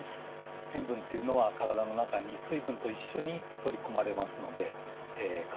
塩分っていうのは体の中に水分と一緒に取り込まれますので体がむくんでいきやすくなる。